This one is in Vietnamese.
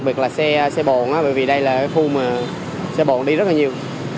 câu điểm thì cũng hay kẹt xe đặc biệt là xe bồn bởi vì đây là khu mà xe bồn đi rất là nhiều